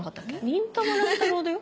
『忍たま乱太郎』だよ。